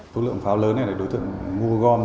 số lượng pháo lớn này là đối tượng mua gom